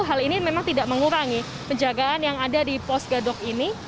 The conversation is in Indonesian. hal ini memang tidak mengurangi penjagaan yang ada di pos gadok ini